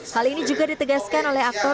hal ini juga ditegaskan oleh aktor